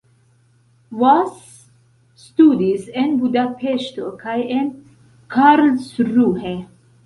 Vass studis en Budapeŝto kaj en Karlsruhe.